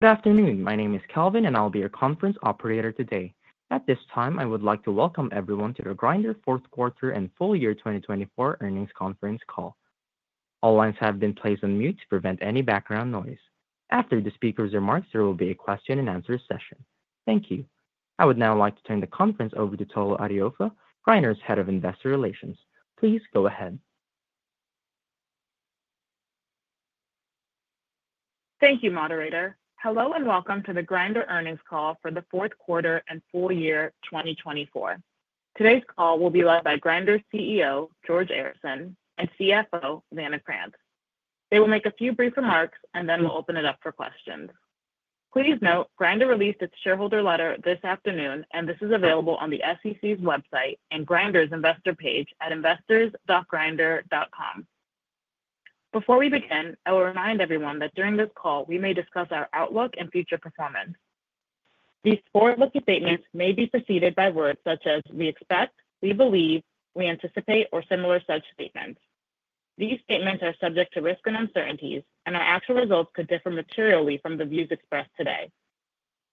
Good afternoon. My name is Calvin, and I'll be your conference operator today. At this time, I would like to welcome everyone to the Grindr Fourth Quarter and Full Year 2024 Earnings Conference Call. All lines have been placed on mute to prevent any background noise. After the speakers' remarks, there will be a question-and-answer session. Thank you. I would now like to turn the conference over to Tolu Adeofe, Grindr's Head of Investor Relations. Please go ahead. Thank you, Moderator. Hello and welcome to the Grindr Earnings Call for the Fourth Quarter and Full Year 2024. Today's call will be led by Grindr's CEO, George Arison, and CFO, Vanna Krantz. They will make a few brief remarks, and then we'll open it up for questions. Please note, Grindr released its shareholder letter this afternoon, and this is available on the SEC's website and Grindr's investor page at investors.grindr.com. Before we begin, I will remind everyone that during this call, we may discuss our outlook and future performance. These forward-looking statements may be preceded by words such as we expect, we believe, we anticipate, or similar such statements. These statements are subject to risks and uncertainties, and our actual results could differ materially from the views expressed today.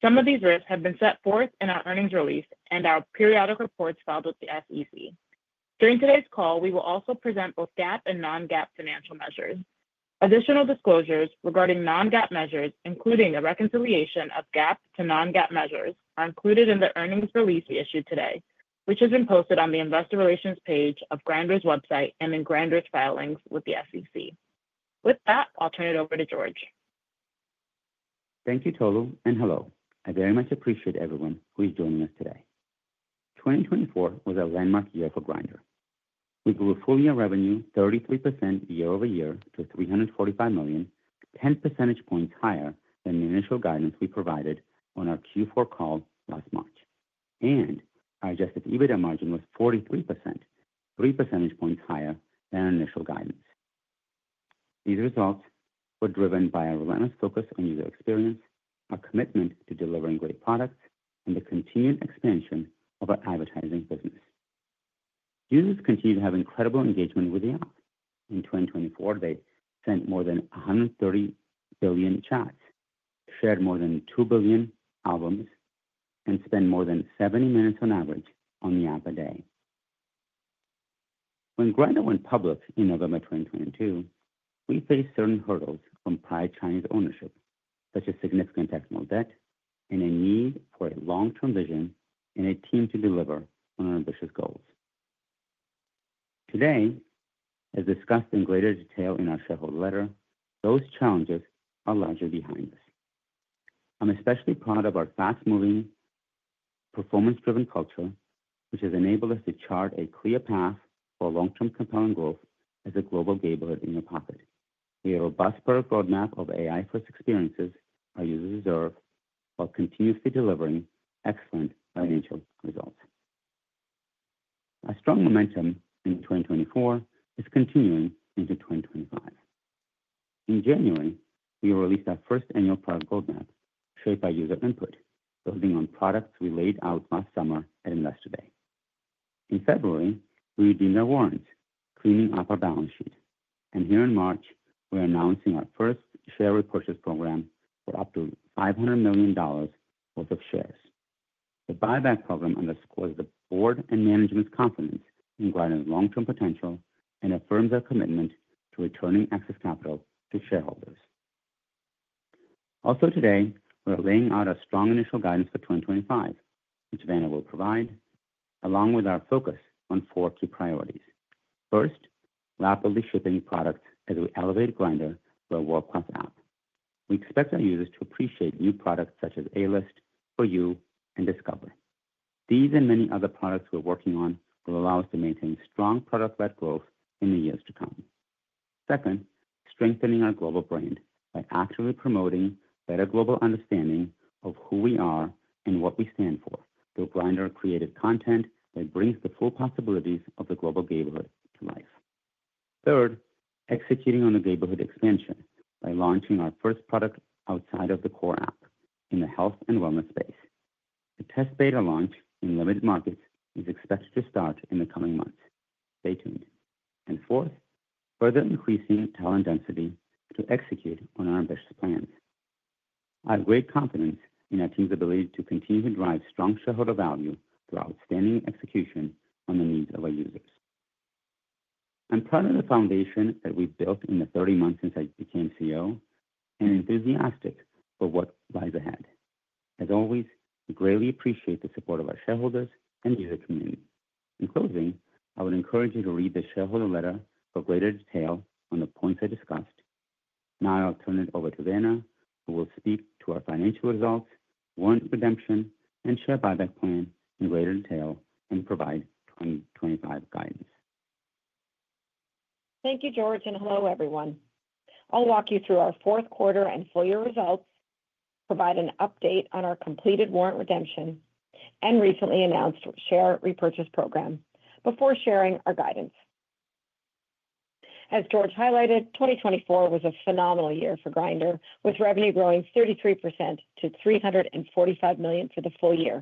Some of these risks have been set forth in our earnings release and our periodic reports filed with the SEC. During today's call, we will also present both GAAP and non-GAAP financial measures. Additional disclosures regarding non-GAAP measures, including the reconciliation of GAAP to non-GAAP measures, are included in the earnings release we issued today, which has been posted on the Investor Relations page of Grindr's website and in Grindr's filings with the SEC. With that, I'll turn it over to George. Thank you, Tolu, and hello. I very much appreciate everyone who is joining us today. 2024 was a landmark year for Grindr. We grew a full year revenue, 33% year-over-year to $345 million, 10 percentage points higher than the initial guidance we provided on our Q4 call last March, and our Adjusted EBITDA margin was 43%, 3 percentage points higher than our initial guidance. These results were driven by our relentless focus on user experience, our commitment to delivering great products, and the continued expansion of our advertising business. Users continue to have incredible engagement with the app. In 2024, they sent more than 130 billion chats, shared more than 2 billion albums, and spent more than 70 minutes on average on the app a day. When Grindr went public in November 2022, we faced certain hurdles from prior Chinese ownership, such as significant technical debt and a need for a long-term vision and a team to deliver on our ambitious goals. Today, as discussed in greater detail in our shareholder letter, those challenges are largely behind us. I'm especially proud of our fast-moving, performance-driven culture, which has enabled us to chart a clear path for long-term compelling growth as a global neighborhood in your pocket. We have a robust product roadmap of AI first experiences our users deserve while continuously delivering excellent financial results. Our strong momentum in 2024 is continuing into 2025. In January, we released our first annual product roadmap shaped by user input, building on products we laid out last summer at Investor Day. In February, we redeemed our warrants, cleaning up our balance sheet. And here in March, we're announcing our first share repurchase program for up to $500 million worth of shares. The buyback program underscores the board and management's confidence in Grindr's long-term potential and affirms our commitment to returning excess capital to shareholders. Also, today, we're laying out our strong initial guidance for 2025, which Vanna will provide, along with our focus on four key priorities. First, rapidly shipping products as we elevate Grindr to a world-class app. We expect our users to appreciate new products such as A-List, For You, and Discover. These and many other products we're working on will allow us to maintain strong product-led growth in the years to come. Second, strengthening our global brand by actively promoting a better global understanding of who we are and what we stand for through Grindr-created content that brings the full possibilities of the global neighborhood to life. Third, executing on the neighborhood expansion by launching our first product outside of the core app in the health and wellness space. The test beta launch in limited markets is expected to start in the coming months. Stay tuned. And fourth, further increasing talent density to execute on our ambitious plans. I have great confidence in our team's ability to continue to drive strong shareholder value through outstanding execution on the needs of our users. I'm proud of the foundation that we've built in the 30 months since I became CEO and enthusiastic for what lies ahead. As always, I greatly appreciate the support of our shareholders and user community. In closing, I would encourage you to read the shareholder letter for greater detail on the points I discussed. Now, I'll turn it over to Vanna, who will speak to our financial results, warrant redemption, and share buyback plan in greater detail and provide 2025 guidance. Thank you, George. And hello, everyone. I'll walk you through our fourth quarter and full year results, provide an update on our completed warrant redemption, and recently announced share repurchase program before sharing our guidance. As George highlighted, 2024 was a phenomenal year for Grindr, with revenue growing 33% to $345 million for the full year.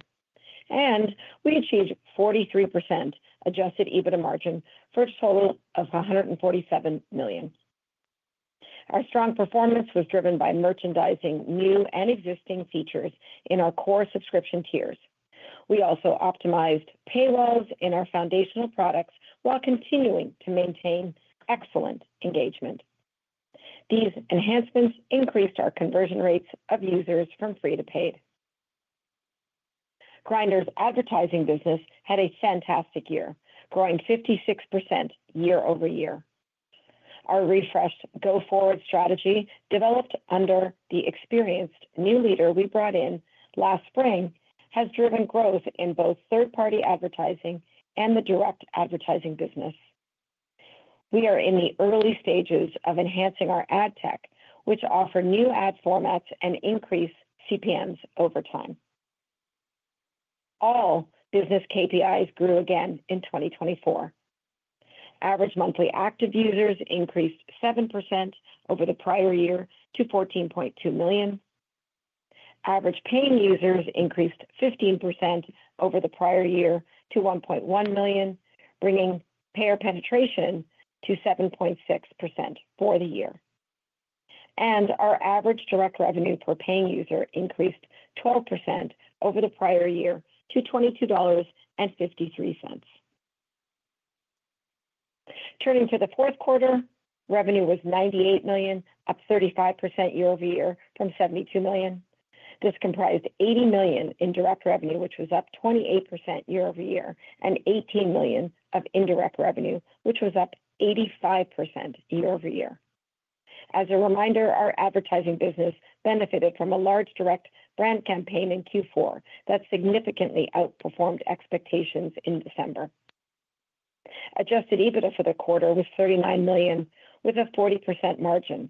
We achieved 43% Adjusted EBITDA margin for a total of $147 million. Our strong performance was driven by merchandising new and existing features in our core subscription tiers. We also optimized paywalls in our foundational products while continuing to maintain excellent engagement. These enhancements increased our conversion rates of users from free to paid. Grindr's advertising business had a fantastic year, growing 56% year-over-year. Our refreshed go-forward strategy, developed under the experienced new leader we brought in last spring, has driven growth in both third-party advertising and the direct advertising business. We are in the early stages of enhancing our ad tech, which offers new ad formats and increases CPMs over time. All business KPIs grew again in 2024. Average monthly active users increased 7% over the prior year to 14.2 million. Average paying users increased 15% over the prior year to 1.1 million, bringing payer penetration to 7.6% for the year. And our average direct revenue per paying user increased 12% over the prior year to $22.53. Turning to the Fourth Quarter, revenue was $98 million, up 35% year-over-year from $72 million. This comprised $80 million in direct revenue, which was up 28% year-over-year, and $18 million of indirect revenue, which was up 85% year-over-year. As a reminder, our advertising business benefited from a large direct brand campaign in Q4 that significantly outperformed expectations in December. Adjusted EBITDA for the quarter was $39 million, with a 40% margin,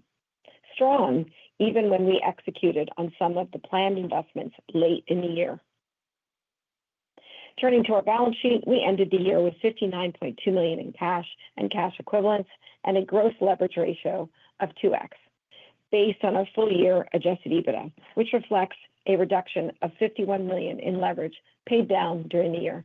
strong even when we executed on some of the planned investments late in the year. Turning to our balance sheet, we ended the year with $59.2 million in cash and cash equivalents, and a gross leverage ratio of 2x based on our full year Adjusted EBITDA, which reflects a reduction of $51 million in leverage paid down during the year.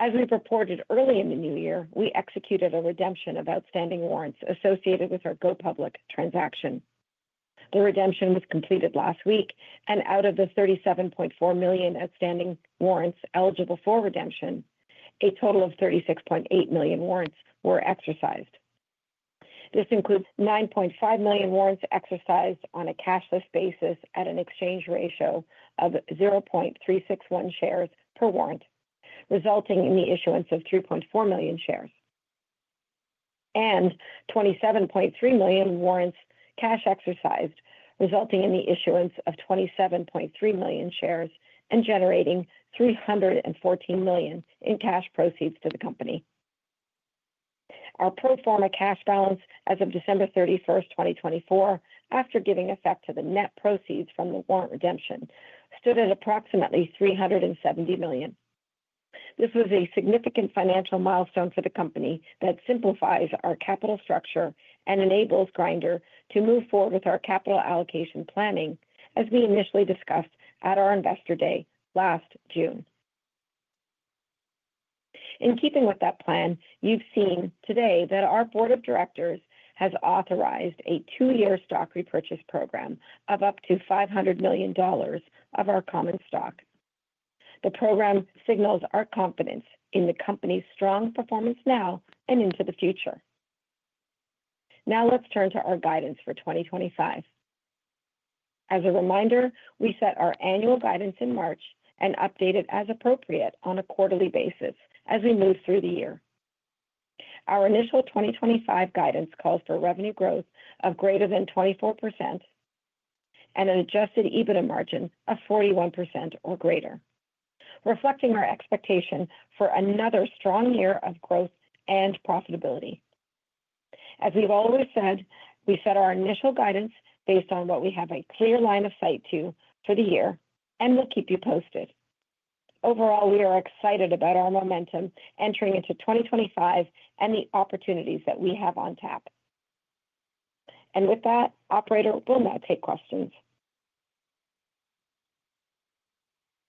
As we reported early in the new year, we executed a redemption of outstanding warrants associated with our go public transaction. The redemption was completed last week, and out of the 37.4 million outstanding warrants eligible for redemption, a total of 36.8 million warrants were exercised. This includes 9.5 million warrants exercised on a cashless basis at an exchange ratio of 0.361 shares per warrant, resulting in the issuance of 3.4 million shares, and 27.3 million warrants cash exercised, resulting in the issuance of 27.3 million shares and generating $314 million in cash proceeds to the company. Our pro forma cash balance as of December 31st, 2024, after giving effect to the net proceeds from the warrant redemption, stood at approximately $370 million. This was a significant financial milestone for the company that simplifies our capital structure and enables Grindr to move forward with our capital allocation planning, as we initially discussed at our Investor Day last June. In keeping with that plan, you've seen today that our Board of Directors has authorized a two-year stock repurchase program of up to $500 million of our common stock. The program signals our confidence in the company's strong performance now and into the future. Now, let's turn to our guidance for 2025. As a reminder, we set our annual guidance in March and update it as appropriate on a quarterly basis as we move through the year. Our initial 2025 guidance calls for revenue growth of greater than 24% and an Adjusted EBITDA margin of 41% or greater. Reflecting our expectation for another strong year of growth and profitability. As we've always said, we set our initial guidance based on what we have a clear line of sight to for the year, and we'll keep you posted. Overall, we are excited about our momentum entering into 2025 and the opportunities that we have on tap. And with that, Operator will now take questions.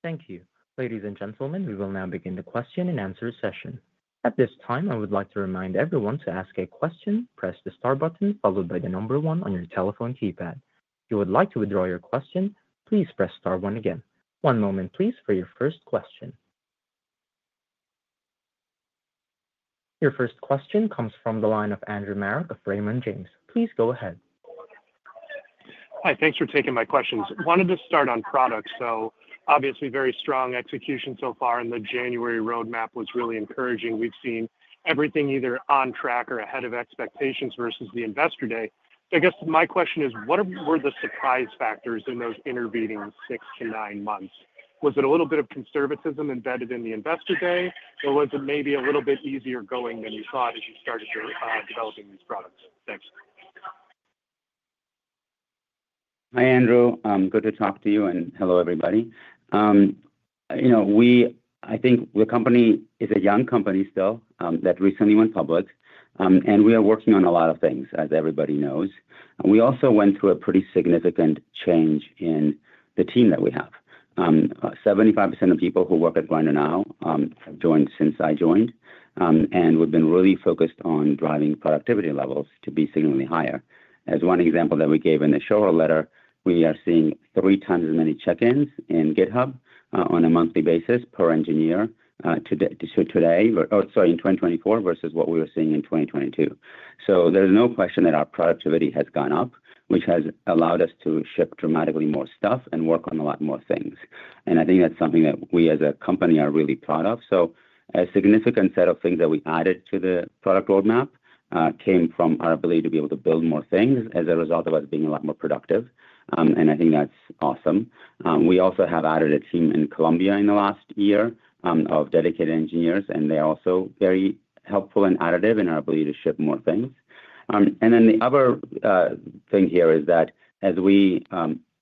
Thank you. Ladies and gentlemen, we will now begin the question-and-answer session. At this time, I would like to remind everyone to ask a question, press the star button followed by the number one on your telephone keypad. If you would like to withdraw your question, please press star one again. One moment, please, for your first question. Your first question comes from the line of Andrew Marok of Raymond James. Please go ahead. Hi, thanks for taking my questions. Wanted to start on products. So obviously, very strong execution so far, and the January roadmap was really encouraging. We've seen everything either on track or ahead of expectations versus the Investor Day. I guess my question is, what were the surprise factors in those intervening six to nine months? Was it a little bit of conservatism embedded in the Investor Day, or was it maybe a little bit easier going than you thought as you started developing these products? Thanks. Hi, Andrew. Good to talk to you, and hello, everybody. You know, I think the company is a young company still that recently went public, and we are working on a lot of things, as everybody knows. We also went through a pretty significant change in the team that we have. 75% of people who work at Grindr now have joined since I joined, and we've been really focused on driving productivity levels to be significantly higher. As one example that we gave in the shareholder letter, we are seeing three times as many check-ins in GitHub on a monthly basis per engineer today, or sorry, in 2024 versus what we were seeing in 2022. So there's no question that our productivity has gone up, which has allowed us to ship dramatically more stuff and work on a lot more things. And I think that's something that we, as a company, are really proud of. So a significant set of things that we added to the product roadmap came from our ability to be able to build more things as a result of us being a lot more productive. And I think that's awesome. We also have added a team in Colombia in the last year of dedicated engineers, and they're also very helpful and additive in our ability to ship more things. And then the other thing here is that as we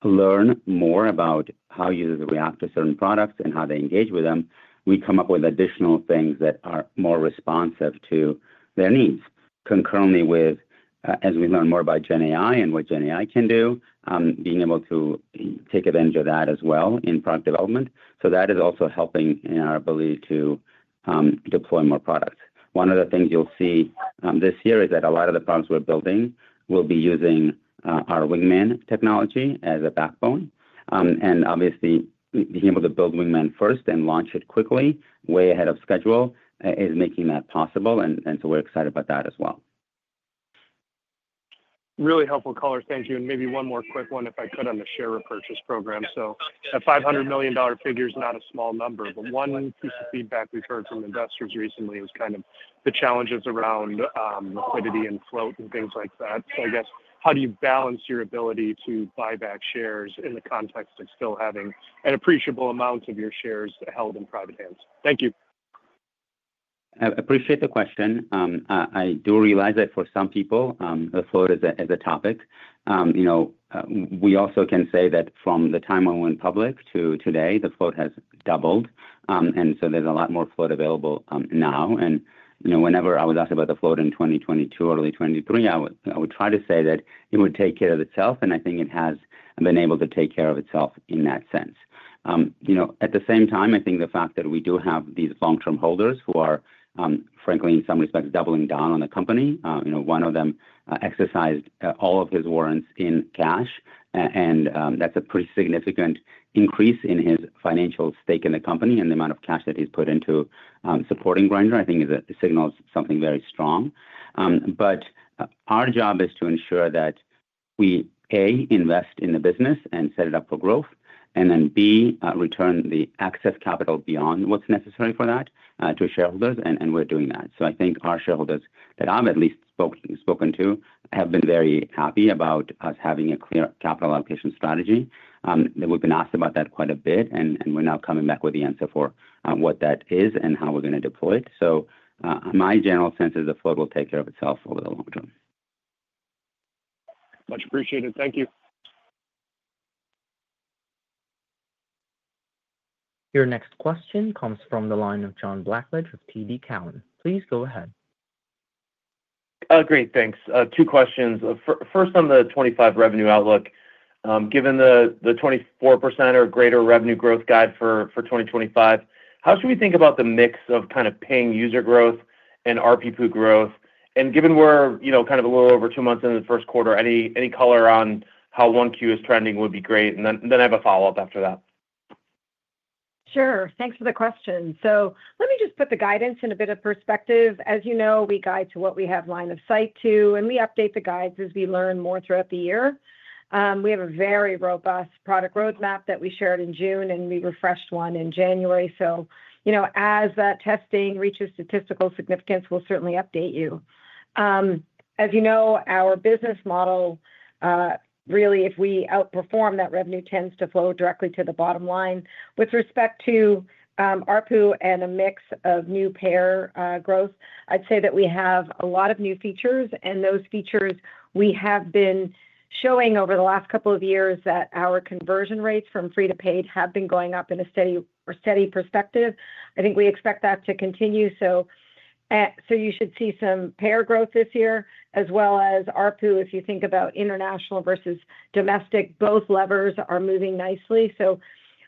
learn more about how users react to certain products and how they engage with them, we come up with additional things that are more responsive to their needs. Concurrently, as we learn more about GenAI and what GenAI can do, being able to take advantage of that as well in product development. So that is also helping in our ability to deploy more products. One of the things you'll see this year is that a lot of the products we're building will be using our Wingman technology as a backbone. And obviously, being able to build Wingman first and launch it quickly, way ahead of schedule, is making that possible. And so we're excited about that as well. Really helpful colors. Thank you. Maybe one more quick one, if I could, on the share repurchase program. That $500 million figure is not a small number. One piece of feedback we've heard from investors recently was kind of the challenges around liquidity and float and things like that. I guess, how do you balance your ability to buy back shares in the context of still having an appreciable amount of your shares held in private hands? Thank you. I appreciate the question. I do realize that for some people, the float is a topic. We also can say that from the time I went public to today, the float has doubled. And so there's a lot more float available now. And whenever I was asked about the float in 2022, early 2023, I would try to say that it would take care of itself, and I think it has been able to take care of itself in that sense. At the same time, I think the fact that we do have these long-term holders who are, frankly, in some respects, doubling down on the company. One of them exercised all of his warrants in cash, and that's a pretty significant increase in his financial stake in the company and the amount of cash that he's put into supporting Grindr, I think signals something very strong. But our job is to ensure that we, A, invest in the business and set it up for growth and then, B, return the excess capital beyond what's necessary for that to shareholders, and we're doing that. So I think our shareholders that I've at least spoken to have been very happy about us having a clear capital allocation strategy. We've been asked about that quite a bit, and we're now coming back with the answer for what that is and how we're going to deploy it. So my general sense is the float will take care of itself over the long term. Much appreciated. Thank you. Your next question comes from the line of John Blackledge of TD Cowen. Please go ahead. Great. Thanks. Two questions. First, on the 2025 revenue outlook, given the 24% or greater revenue growth guide for 2025, how should we think about the mix of kind of paying user growth and RPPU growth? And given we're kind of a little over two months into the first quarter, any color on how 1Q is trending would be great. And then I have a follow-up after that. Sure. Thanks for the question, so let me just put the guidance in a bit of perspective. As you know, we guide to what we have line of sight to, and we update the guides as we learn more throughout the year. We have a very robust product roadmap that we shared in June, and we refreshed one in January. So as that testing reaches statistical significance, we'll certainly update you. As you know, our business model, really, if we outperform, that revenue tends to flow directly to the bottom line. With respect to RPPU and a mix of new payer growth, I'd say that we have a lot of new features, and those features we have been showing over the last couple of years that our conversion rates from free to paid have been going up in a steady perspective. I think we expect that to continue. So you should see some payer growth this year, as well as RPPU. If you think about international versus domestic, both levers are moving nicely. So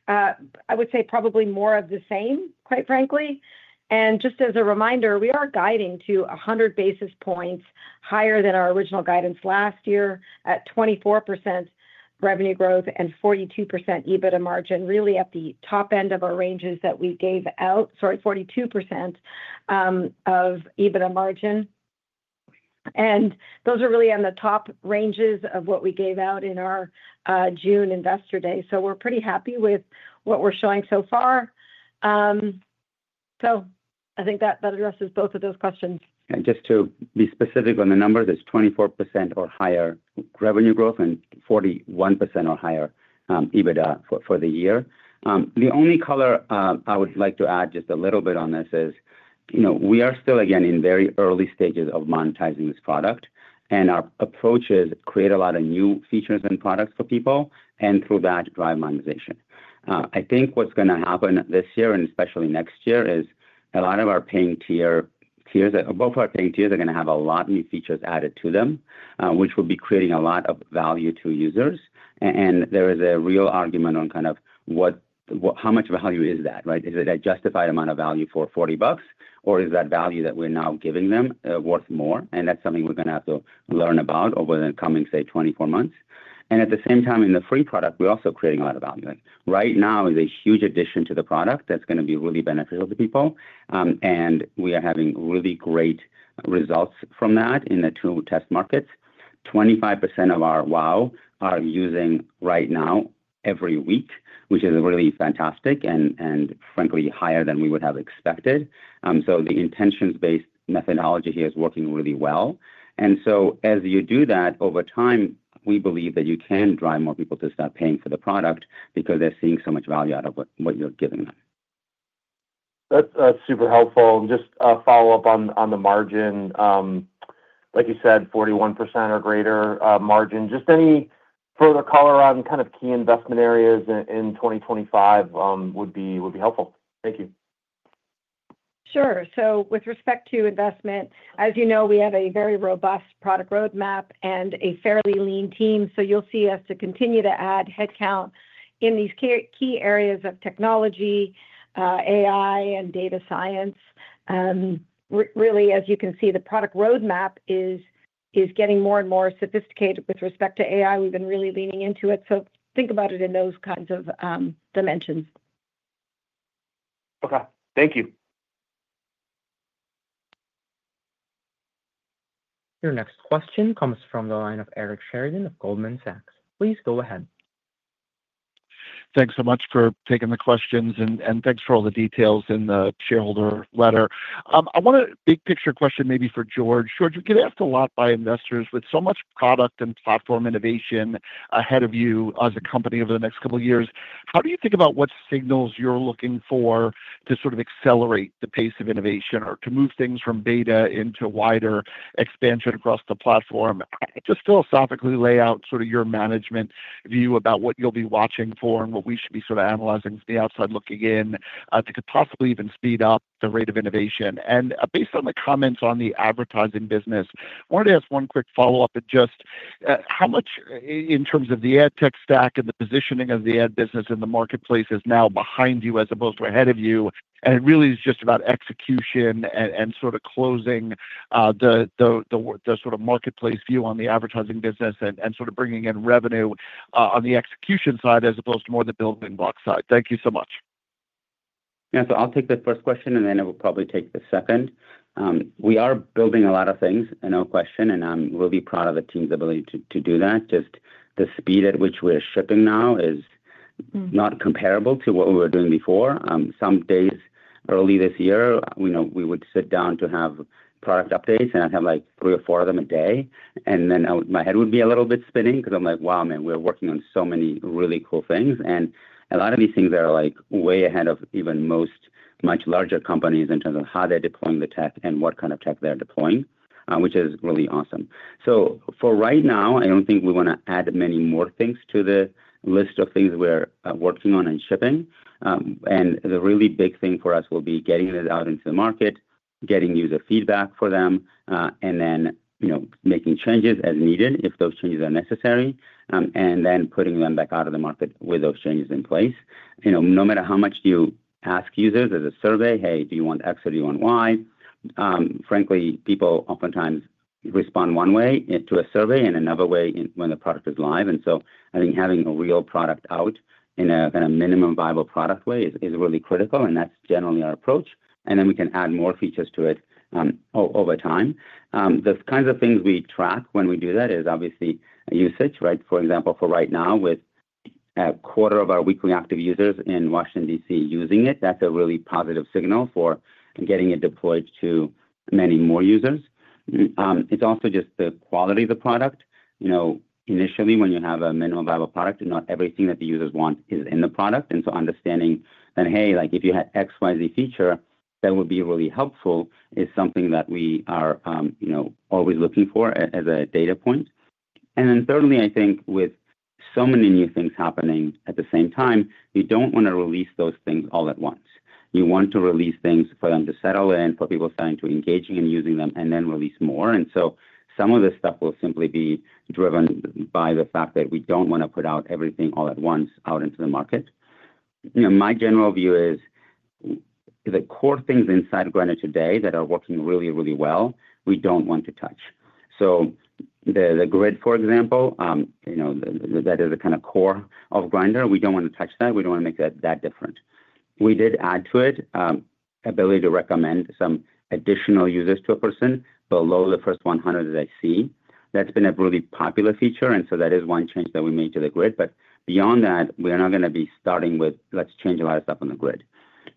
I would say probably more of the same, quite frankly. And just as a reminder, we are guiding to 100 basis points higher than our original guidance last year at 24% revenue growth and 42% EBITDA margin, really at the top end of our ranges that we gave out, sorry, 42% of EBITDA margin. And those are really on the top ranges of what we gave out in our June Investor Day. So we're pretty happy with what we're showing so far. So I think that addresses both of those questions. And just to be specific on the numbers, it's 24% or higher revenue growth and 41% or higher EBITDA for the year. The only color I would like to add just a little bit on this is we are still, again, in very early stages of monetizing this product, and our approaches create a lot of new features and products for people, and through that, drive monetization. I think what's going to happen this year, and especially next year, is a lot of our paying tiers, both of our paying tiers, are going to have a lot of new features added to them, which will be creating a lot of value to users. And there is a real argument on kind of how much value is that, right? Is it a justified amount of value for $40, or is that value that we're now giving them worth more? That's something we're going to have to learn about over the coming, say, 24 months. At the same time, in the free product, we're also creating a lot of value. Right Now is a huge addition to the product that's going to be really beneficial to people, and we are having really great results from that in the two test markets. 25% of our WOW are using Right Now every week, which is really fantastic and, frankly, higher than we would have expected. The intentions-based methodology here is working really well. As you do that over time, we believe that you can drive more people to start paying for the product because they're seeing so much value out of what you're giving them. That's super helpful. Just a follow-up on the margin. Like you said, 41% or greater margin. Just any further color on kind of key investment areas in 2025 would be helpful. Thank you. Sure. So with respect to investment, as you know, we have a very robust product roadmap and a fairly lean team. So you'll see us to continue to add headcount in these key areas of technology, AI, and data science. Really, as you can see, the product roadmap is getting more and more sophisticated with respect to AI. We've been really leaning into it. So think about it in those kinds of dimensions. Okay. Thank you. Your next question comes from the line of Eric Sheridan of Goldman Sachs. Please go ahead. Thanks so much for taking the questions, and thanks for all the details in the shareholder letter. I want a big picture question maybe for George. George, you get asked a lot by investors. With so much product and platform innovation ahead of you as a company over the next couple of years, how do you think about what signals you're looking for to sort of accelerate the pace of innovation or to move things from beta into wider expansion across the platform? Just philosophically lay out sort of your management view about what you'll be watching for and what we should be sort of analyzing from the outside looking in to possibly even speed up the rate of innovation. And based on the comments on the advertising business, I wanted to ask one quick follow-up. Just how much, in terms of the ad tech stack and the positioning of the ad business in the marketplace, is now behind you as opposed to ahead of you, and it really is just about execution and sort of closing the sort of marketplace view on the advertising business and sort of bringing in revenue on the execution side as opposed to more the building block side. Thank you so much. Yeah, so I'll take the first question, and then I will probably take the second. We are building a lot of things, no question, and we'll be proud of the team's ability to do that. Just the speed at which we're shipping now is not comparable to what we were doing before. Some days early this year, we would sit down to have product updates, and I'd have like three or four of them a day, and then my head would be a little bit spinning because I'm like, "Wow, man, we're working on so many really cool things." And a lot of these things are way ahead of even most much larger companies in terms of how they're deploying the tech and what kind of tech they're deploying, which is really awesome. So for right now, I don't think we want to add many more things to the list of things we're working on and shipping. And the really big thing for us will be getting this out into the market, getting user feedback for them, and then making changes as needed if those changes are necessary, and then putting them back out of the market with those changes in place. No matter how much you ask users as a survey, "Hey, do you want X or do you want Y?" Frankly, people oftentimes respond one way to a survey and another way when the product is live. And so I think having a real product out in a kind of minimum viable product way is really critical, and that's generally our approach. And then we can add more features to it over time. The kinds of things we track when we do that is obviously usage, right? For example, for Right Now, with a quarter of our weekly active users in Washington, D.C. using it, that's a really positive signal for getting it deployed to many more users. It's also just the quality of the product. Initially, when you have a minimum viable product, not everything that the users want is in the product. And so understanding that, "Hey, if you had XYZ feature, that would be really helpful," is something that we are always looking for as a data point. And then thirdly, I think with so many new things happening at the same time, you don't want to release those things all at once. You want to release things for them to settle in, for people starting to engage in using them, and then release more. And so some of this stuff will simply be driven by the fact that we don't want to put out everything all at once out into the market. My general view is the core things inside Grindr today that are working really, really well, we don't want to touch. So the grid, for example, that is the kind of core of Grindr. We don't want to touch that. We don't want to make that that different. We did add to it the ability to recommend some additional users to a person below the first 100 that I see. That's been a really popular feature, and so that is one change that we made to the grid. But beyond that, we're not going to be starting with, "Let's change a lot of stuff on the grid."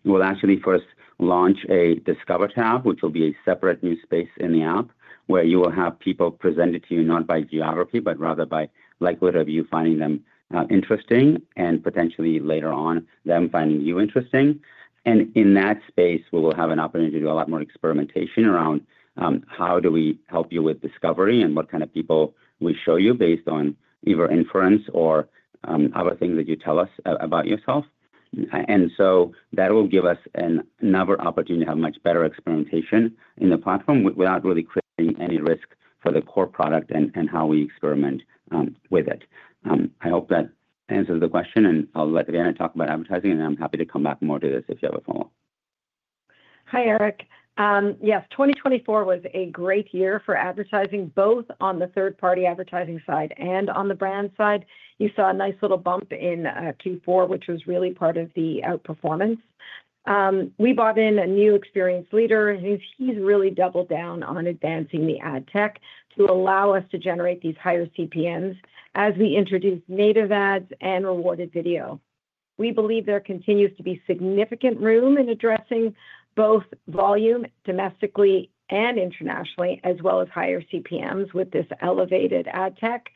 We'll actually first launch a Discover tab, which will be a separate new space in the app where you will have people presented to you not by geography, but rather by likelihood of you finding them interesting and potentially later on them finding you interesting. And in that space, we will have an opportunity to do a lot more experimentation around how do we help you with discovery and what kind of people we show you based on either inference or other things that you tell us about yourself. And so that will give us another opportunity to have much better experimentation in the platform without really creating any risk for the core product and how we experiment with it. I hope that answers the question, and I'll let Vanna talk about advertising, and I'm happy to come back more to this if you have a follow-up. Hi, Eric. Yes, 2024 was a great year for advertising, both on the third-party advertising side and on the brand side. You saw a nice little bump in Q4, which was really part of the outperformance. We brought in a new experience leader, and he's really doubled down on advancing the ad tech to allow us to generate these higher CPMs as we introduce native ads and rewarded video. We believe there continues to be significant room in addressing both volume domestically and internationally, as well as higher CPMs with this elevated ad tech.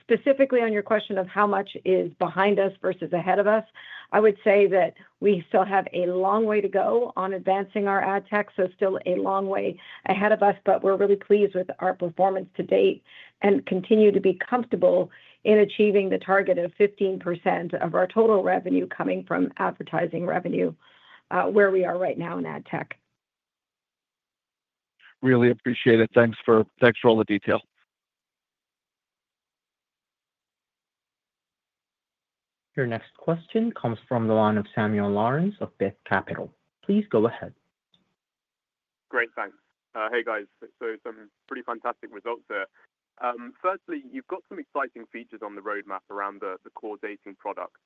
Specifically on your question of how much is behind us versus ahead of us, I would say that we still have a long way to go on advancing our ad tech, so still a long way ahead of us, but we're really pleased with our performance to date and continue to be comfortable in achieving the target of 15% of our total revenue coming from advertising revenue where we are right now in ad tech. Really appreciate it. Thanks for all the detail. Your next question comes from the line of Samuel Lawrence of Beth Capital. Please go ahead. Great. Thanks. Hey, guys. So some pretty fantastic results there. Firstly, you've got some exciting features on the roadmap around the core dating product.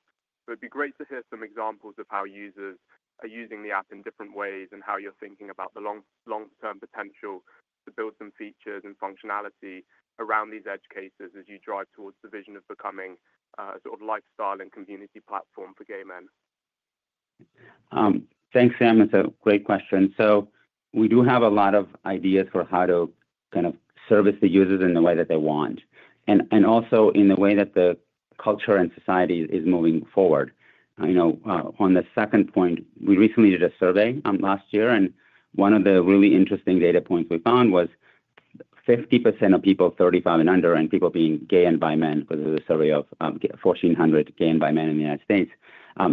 So it'd be great to hear some examples of how users are using the app in different ways and how you're thinking about the long-term potential to build some features and functionality around these edge cases as you drive towards the vision of becoming a sort of lifestyle and community platform for gay men. Thanks, Sam. It's a great question. So we do have a lot of ideas for how to kind of service the users in the way that they want and also in the way that the culture and society is moving forward. On the second point, we recently did a survey last year, and one of the really interesting data points we found was 50% of people 35 and under and people being gay and bi men, because it was a survey of 1,400 gay and bi men in the United States,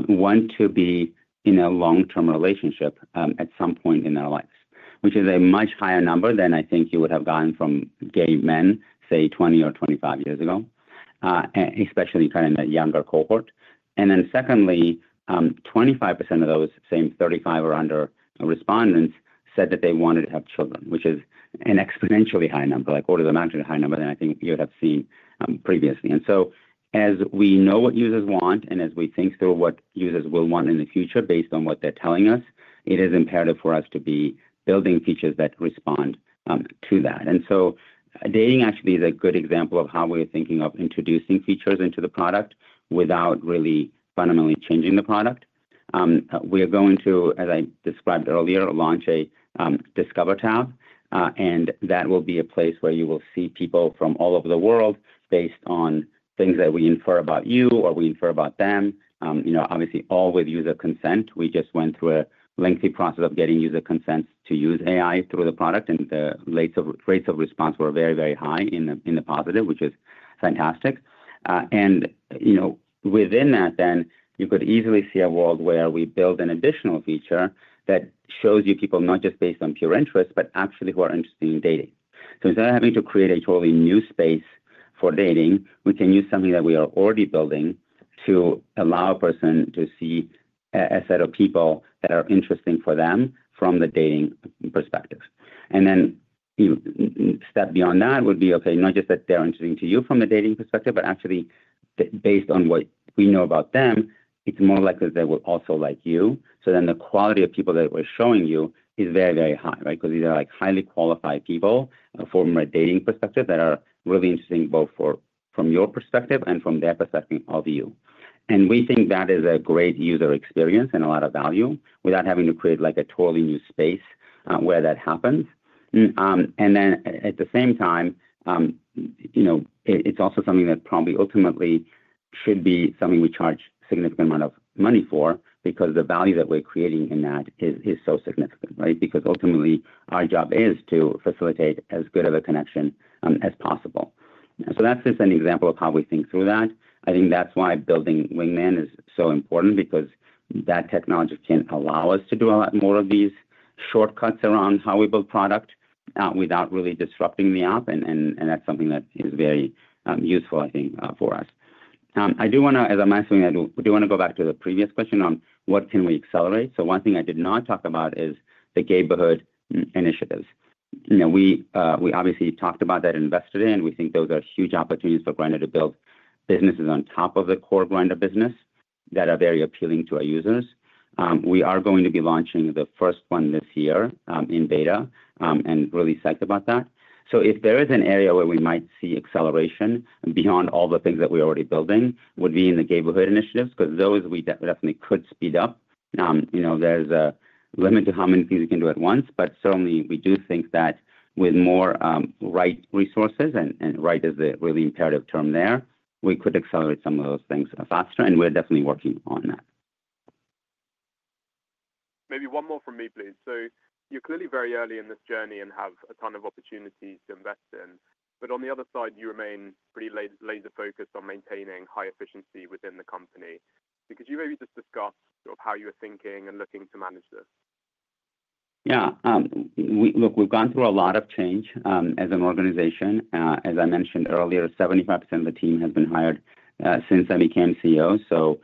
want to be in a long-term relationship at some point in their lives, which is a much higher number than I think you would have gotten from gay men, say, 20 or 25 years ago, especially kind of in the younger cohort. And then secondly, 25% of those same 35 or under respondents said that they wanted to have children, which is an exponentially high number, like orders of magnitude higher number than I think you would have seen previously. And so as we know what users want and as we think through what users will want in the future based on what they're telling us, it is imperative for us to be building features that respond to that. And so dating actually is a good example of how we're thinking of introducing features into the product without really fundamentally changing the product. We are going to, as I described earlier, launch a Discover tab, and that will be a place where you will see people from all over the world based on things that we infer about you or we infer about them, obviously all with user consent. We just went through a lengthy process of getting user consent to use AI through the product, and the rates of response were very, very high in the positive, which is fantastic, and within that, then you could easily see a world where we build an additional feature that shows you people not just based on pure interest, but actually who are interested in dating, so instead of having to create a totally new space for dating, we can use something that we are already building to allow a person to see a set of people that are interesting for them from the dating perspective, and then a step beyond that would be, okay, not just that they're interesting to you from a dating perspective, but actually based on what we know about them, it's more likely that they will also like you. So then the quality of people that we're showing you is very, very high, right? Because these are highly qualified people from a dating perspective that are really interesting both from your perspective and from their perspective of you. And we think that is a great user experience and a lot of value without having to create a totally new space where that happens. And then at the same time, it's also something that probably ultimately should be something we charge a significant amount of money for because the value that we're creating in that is so significant, right? Because ultimately, our job is to facilitate as good of a connection as possible. So that's just an example of how we think through that. I think that's why building Wingman is so important because that technology can allow us to do a lot more of these shortcuts around how we build product without really disrupting the app, and that's something that is very useful, I think, for us. I do want to, as I'm asking, I do want to go back to the previous question on what can we accelerate, so one thing I did not talk about is the Gayborhood initiatives. We obviously talked about that investor day, and we think those are huge opportunities for Grindr to build businesses on top of the core Grindr business that are very appealing to our users. We are going to be launching the first one this year in beta and really psyched about that. So if there is an area where we might see acceleration beyond all the things that we're already building, it would be in the Gayborhood initiatives because those we definitely could speed up. There's a limit to how many things we can do at once, but certainly, we do think that with more right resources, and right is the really imperative term there, we could accelerate some of those things faster, and we're definitely working on that. Maybe one more from me, please. So you're clearly very early in this journey and have a ton of opportunities to invest in. But on the other side, you remain pretty laser-focused on maintaining high efficiency within the company. Could you maybe just discuss how you're thinking and looking to manage this? Yeah. Look, we've gone through a lot of change as an organization. As I mentioned earlier, 75% of the team has been hired since I became CEO, so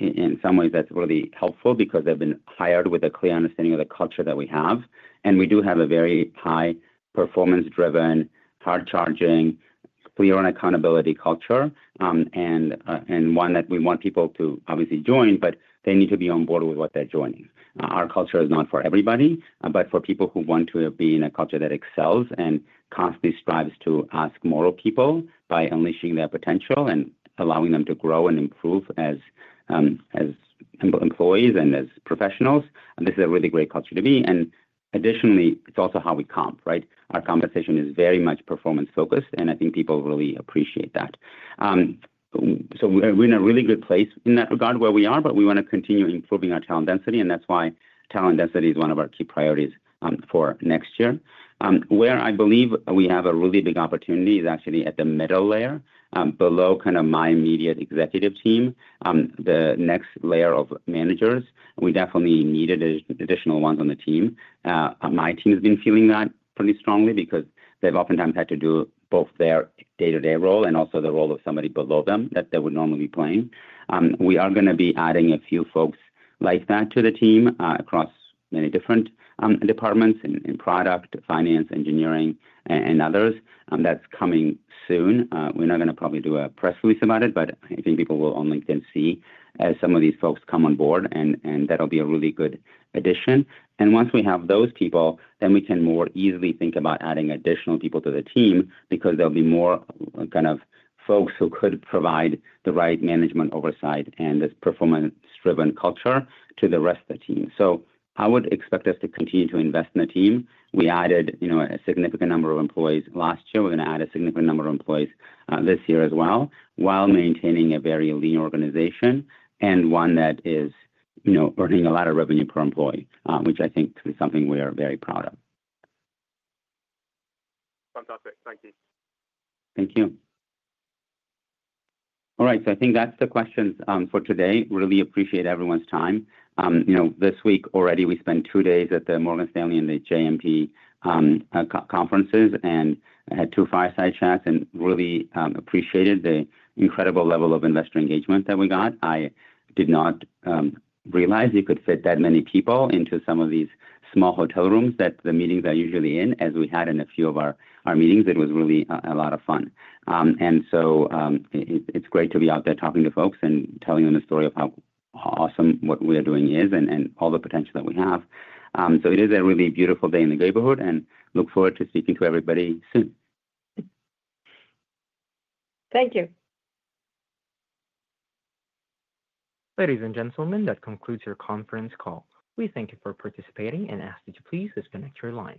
in some ways, that's really helpful because they've been hired with a clear understanding of the culture that we have, and we do have a very high performance-driven, hard-charging, clear on accountability culture and one that we want people to obviously join, but they need to be on board with what they're joining. Our culture is not for everybody, but for people who want to be in a culture that excels and constantly strives to ask more of people by unleashing their potential and allowing them to grow and improve as employees and as professionals. This is a really great culture to be, and additionally, it's also how we comp, right? Our compensation is very much performance-focused, and I think people really appreciate that. So we're in a really good place in that regard where we are, but we want to continue improving our talent density, and that's why talent density is one of our key priorities for next year. Where I believe we have a really big opportunity is actually at the middle layer, below kind of my immediate executive team, the next layer of managers. We definitely needed additional ones on the team. My team has been feeling that pretty strongly because they've oftentimes had to do both their day-to-day role and also the role of somebody below them that they would normally be playing. We are going to be adding a few folks like that to the team across many different departments in product, finance, engineering, and others. That's coming soon. We're not going to probably do a press release about it, but I think people will on LinkedIn see as some of these folks come on board, and that'll be a really good addition, and once we have those people, then we can more easily think about adding additional people to the team because there'll be more kind of folks who could provide the right management oversight and this performance-driven culture to the rest of the team, so I would expect us to continue to invest in the team. We added a significant number of employees last year. We're going to add a significant number of employees this year as well while maintaining a very lean organization and one that is earning a lot of revenue per employee, which I think is something we are very proud of. Fantastic. Thank you. Thank you. All right. So I think that's the questions for today. Really appreciate everyone's time. This week already, we spent two days at the Morgan Stanley and the JMP conferences and had two fireside chats and really appreciated the incredible level of investor engagement that we got. I did not realize you could fit that many people into some of these small hotel rooms that the meetings are usually in, as we had in a few of our meetings. It was really a lot of fun, and so it's great to be out there talking to folks and telling them the story of how awesome what we are doing is and all the potential that we have, so it is a really beautiful day in the Gayborhood, and look forward to speaking to everybody soon. Thank you. Ladies and gentlemen, that concludes your conference call. We thank you for participating and ask that you please disconnect your line.